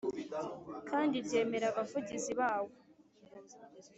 kandi ryemera Abavugizi bawo